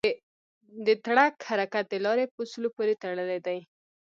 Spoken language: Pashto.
د ټرک حرکت د لارې په اصولو پورې تړلی دی.